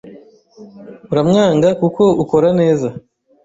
Uramwanga kuko ukora neza